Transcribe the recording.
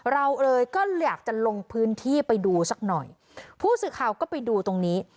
เราเลยก็อยากจะลงพื้นที่ไปดูสักหน่อยผู้สื่อข่าวก็ไปดูตรงนี้